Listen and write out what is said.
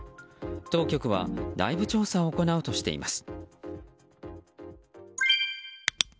当局は内部調査を行うとしています。